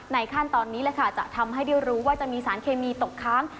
ขั้นตอนนี้แหละค่ะจะทำให้ได้รู้ว่าจะมีสารเคมีตกค้าง